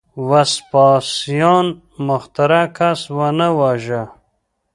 وسپاسیان مخترع کس ونه واژه.